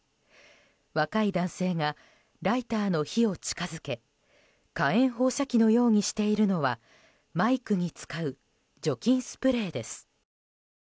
若い男性がライターの火を近づけ火炎放射器のようにしているのはマイクに使う除菌スプレーです。